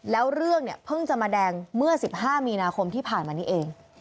แล้วเรื่องเนี่ยเพิ่งจะมาแดงเมื่อ๑๕มีนาคมที่ผ่านมานี้เอง